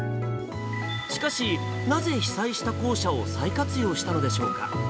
しかし、なぜ被災した校舎を再活用したのでしょうか。